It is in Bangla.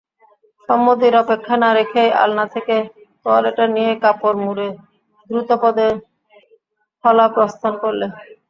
সম্মতির অপেক্ষা না রেখেই আলনা থেকে তোয়ালেটা নিয়েই কাপড় মুড়ে দ্রুতপদে হলা প্রস্থান করলে।